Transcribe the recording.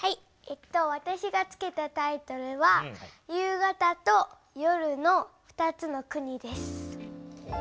わたしが付けたタイトルは「夕方と夜の２つの国」です。